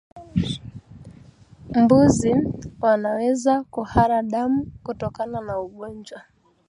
Mbuzi wanaweza kuhara damu kutokana na ugonjwa